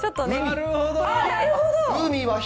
なるほど！